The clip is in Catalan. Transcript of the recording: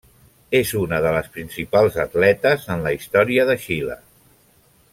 És una de les principals atletes en la història de Xile.